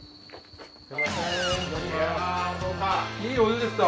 いいお湯でした。